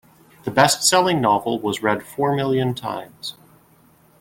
The bestselling novel was read four million times.